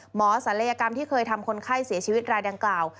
ศัลยกรรมที่เคยทำคนไข้เสียชีวิตรายดังกล่าว